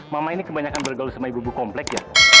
mama ini kebanyakan bergaul sama ibu komplek ya